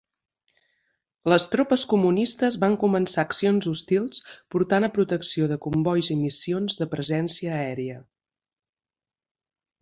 Les tropes comunistes van començar accions hostils portant a protecció de combois i missions de "presència aèria".